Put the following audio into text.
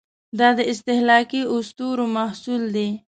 دا د استهلاکي اسطورو محصول دی.